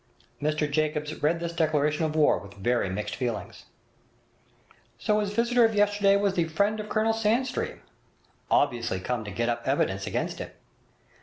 Mr Jacobs read this declaration of war with very mixed feelings. So his visitor of yesterday was the friend of Colonel Sandstream! Obviously come to get up evidence against him.